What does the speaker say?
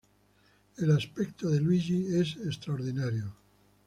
El aspecto de Luigi es extraordinario.